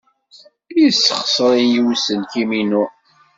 Yessexṣer-iyi aselkim-inu.